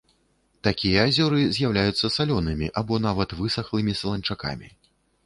Такія азёры з'яўляюцца салёнымі або нават высахлымі саланчакамі.